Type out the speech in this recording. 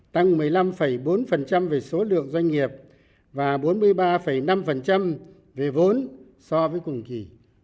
tăng một mươi năm bốn về số lượng doanh nghiệp và bốn mươi ba năm về vốn so với cùng kỳ